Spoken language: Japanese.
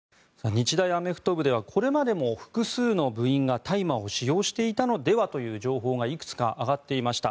日大アメフト部ではこれまでも複数の部員が大麻を使用していたのではという情報がいくつか上がっていました。